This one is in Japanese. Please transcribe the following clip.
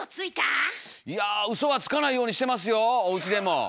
いやウソはつかないようにしてますよおうちでも。